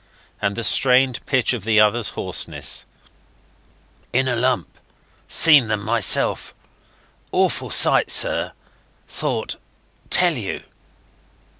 and the strained pitch of the other's hoarseness. "In a lump ... seen them myself. ... Awful sight, sir ... thought ... tell you."